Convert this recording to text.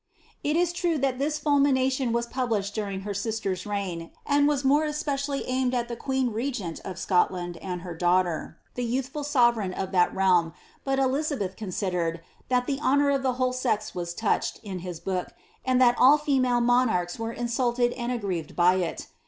'' It is true that this fulmination was published during her sister's reign, and was more especially aimed against the queen regent of Scotland, and her daughter, the youthful sovereign of that realm, hut Elizabeth considered, that the honour of the whole sex was touched in his book, and that all female nionarchs were insulted and aggrieved by it.